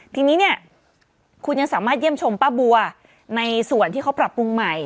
ทีนี้เนี่ยคุณยังสามารถเยี่ยมชมป้าบัวในส่วนที่เขาปรับปรุงใหม่